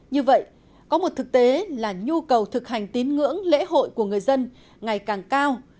như vậy có một thực tế là nhu cầu thực hành tín ngưỡng lễ hội của người dân ngày càng cao